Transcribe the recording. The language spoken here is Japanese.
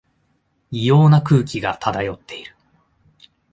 異様な空気が漂っている